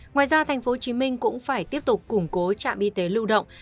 ngoài ra tp hcm cũng phải tiếp tục củng cố trạm y tế lưu động